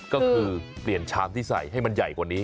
ก็คือเปลี่ยนชามที่ใส่ให้มันใหญ่กว่านี้